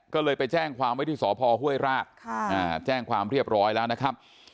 ก็เลยไปแจ้งความไว้ที่สพห้วยราชแจ้งความเรียบร้อยแล้วนะครับ